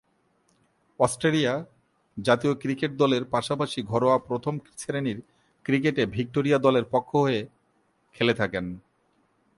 Australia জাতীয় cricket দলের পাশাপাশি ঘরোয়া প্রথম-শ্রেণীর ক্রিকেটে ভিক্টোরিয়া দলের পক্ষ হয়ে খেলে থাকেন।